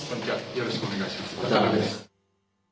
よろしくお願いします。